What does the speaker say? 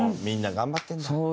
みんな頑張ってるんだ。